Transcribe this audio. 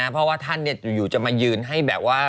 เพราะว่าท่านอยู่จะมายืนให้แบบว่า